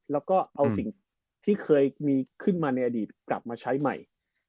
แล้วก็เอาสิ่งที่เคยมีขึ้นมาในอดีตกลับมาใช้ใหม่